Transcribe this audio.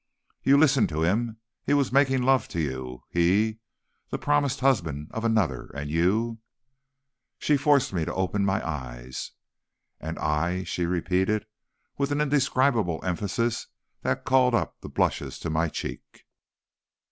"'You listened to him. He was making love to you he, the promised husband of another; and you ' "She forced me to open my eyes. "'And I?' she repeated, with an indescribable emphasis that called up the blushes to my cheek.